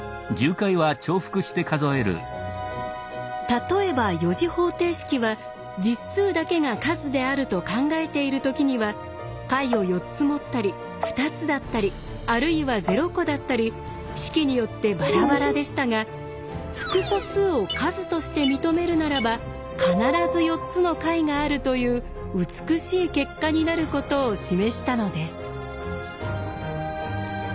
例えば４次方程式は実数だけが数であると考えている時には解を４つ持ったり２つだったりあるいは０個だったり式によってバラバラでしたが複素数を数として認めるならば必ず４つの解があるという美しい結果になることを示したのです。